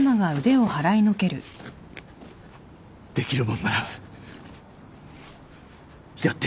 できるもんならやってみろよ。